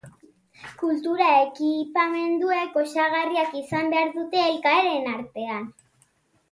Kultura ekipamenduek osagarriak izan behar dute elkarren artean.